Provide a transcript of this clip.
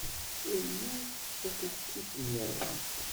Rnut takukit-nniḍen.